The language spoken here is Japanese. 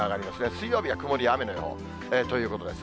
水曜日は曇りや雨の予報ということです。